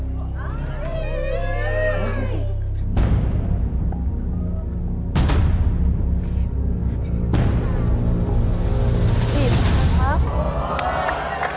นุ่มแสงนุ่มแสงนุ่มแสงนุ่มแสง